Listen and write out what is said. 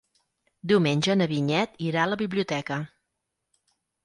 Diumenge na Vinyet irà a la biblioteca.